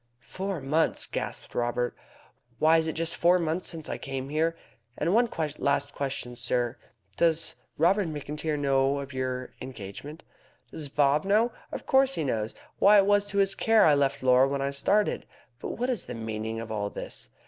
"Four months!" gasped Haw. "Why, it is just four months since I came here. And one last question, sir. Does Robert McIntyre know of your engagement?" "Does Bob know? Of course he knows. Why, it was to his care I left Laura when I started. But what is the meaning of all this?